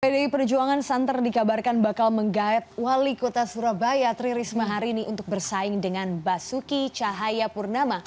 pdi perjuangan santer dikabarkan bakal menggaet wali kota surabaya tri risma hari ini untuk bersaing dengan basuki cahayapurnama